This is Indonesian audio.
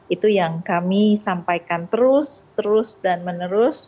itu yang kami sampaikan terus terus dan menerus